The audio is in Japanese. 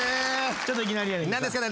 ちょっといきなりやねんけど。